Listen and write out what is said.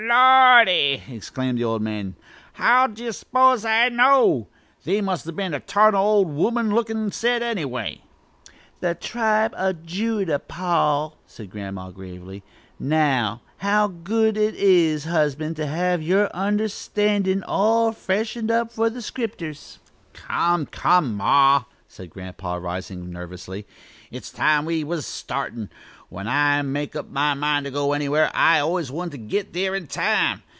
"Lordy!" exclaimed the old man. "How d'ye suppose I know! They must 'a' been a tarnal old womanish lookin' set anyway." "The tribe o' Judah, pa," said Grandma, gravely. "Now, how good it is, husband, to have your understandin' all freshened up on the scripters!" "Come, come, ma!" said Grandpa, rising nervously. "It's time we was startin'. When I make up my mind to go anywhere I always want to git there in time.